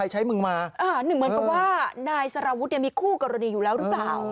เหมือนกับว่านายสารวุฒิเนี่ยใครใช้ฮาริตมีคู่กรณีอยู่แล้วหรือเปล่า